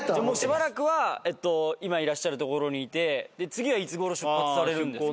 しばらくは今いらっしゃるところにいて次はいつごろ出発されるんですか？